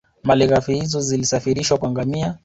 Malighafi hizo zilisafirishwa kwa ngamia